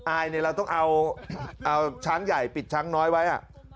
อายนี่เราต้องเอาชั้นใหญ่ปิดชั้นน้อยไว้